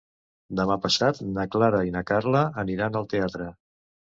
Demà passat na Clara i na Carla aniran al teatre.